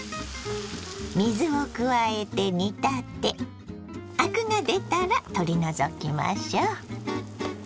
水を加えて煮立てアクが出たら取り除きましょ。